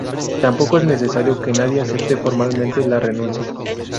Tampoco es necesario que nadie acepte formalmente la renuncia.